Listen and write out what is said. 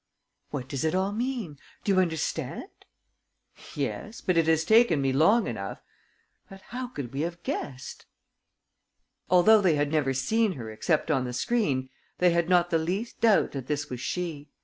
"What does it all mean? Do you understand?" "Yes, but it has taken me long enough! But how could we have guessed ...?" Although they had never seen her except on the screen, they had not the least doubt that this was she.